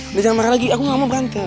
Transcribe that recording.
udah jangan marah lagi aku gak mau berantem